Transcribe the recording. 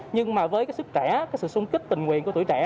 nhưng mà với cái sức trẻ cái sự sung kích tình nguyện của tuổi trẻ